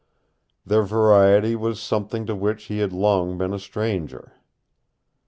Their variety was something to which he had long been a stranger.